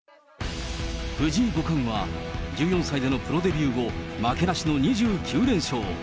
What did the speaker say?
藤井五冠は、１４歳でのプロデビュー後、負けなしの２９連勝。